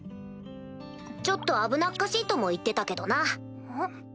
ちょっと危なっかしいとも言ってたけどな。